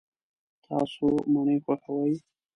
تاسو مڼې خوښوئ؟